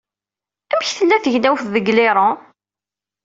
Amek tella tegnewt deg Iṛan?